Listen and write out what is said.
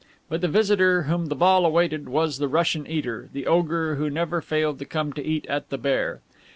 But the visitor whom the ball awaited was the Russian eater, the ogre who never failed to come to eat at The Bear.